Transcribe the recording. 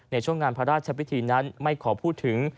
ในช่วงงานพระราชพิธีนั้นไม่ขอพูดถึง